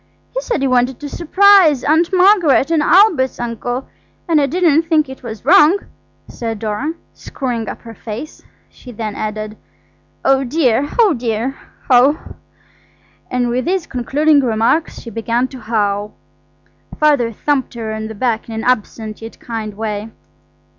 He said he wanted to surprise Aunt Margaret and Albert's uncle. And I didn't think it was wrong," said Dora, screwing up her face; she then added, "Oh dear, oh dear, oh, oh!" and with these concluding remarks she began to howl. Father thumped her on the back in an absent yet kind way.